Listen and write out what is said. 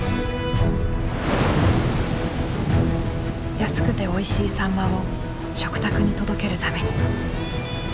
安くておいしいサンマを食卓に届けるために。